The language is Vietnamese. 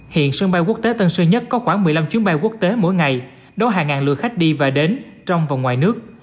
hiện sân bay quốc tế tân sơn nhất có khoảng một mươi năm chuyến bay quốc tế mỗi ngày đón hàng ngàn lượt khách đi và đến trong và ngoài nước